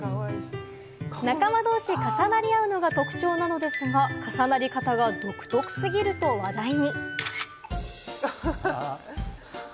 仲間同士、重なり合うのが特徴なのですが、重なり方が独特過ぎると話題に。